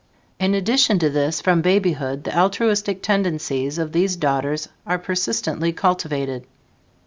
In addition to this, from babyhood the altruistic tendencies of these daughters are persistently cultivated.